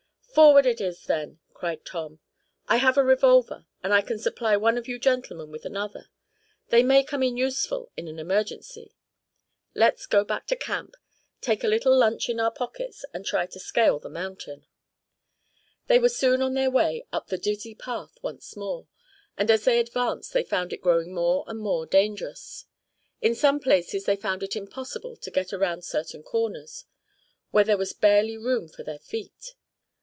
"Forward it is, then!" cried Tom. "I have a revolver, and I can supply one of you gentlemen with another. They may come in useful in an emergency. Let's go back to camp, take a little lunch in our pockets, and try to scale the mountain." They were soon on their way up the dizzy path once more, and, as they advanced, they found it growing more and more dangerous. In some places they found it almost impossible to get around certain corners, where there was barely room for their feet.